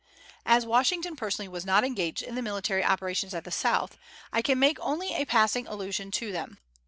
As Washington personally was not engaged in the military operations at the South, I can make only a passing allusion to them.